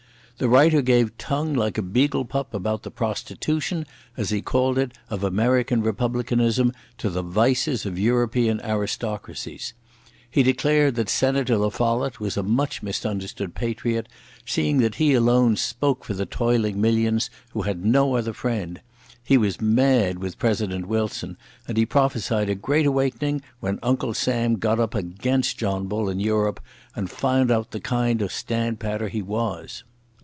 The writer gave tongue like a beagle pup about the prostitution, as he called it, of American republicanism to the vices of European aristocracies. He declared that Senator La Follette was a much misunderstood patriot, seeing that he alone spoke for the toiling millions who had no other friend. He was mad with President Wilson, and he prophesied a great awakening when Uncle Sam got up against John Bull in Europe and found out the kind of standpatter he was.